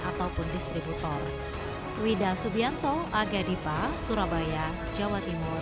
ataupun distributor widah subianto agadipa surabaya jawa timur